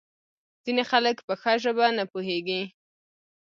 ځینې خلک په ښه ژبه نه پوهیږي.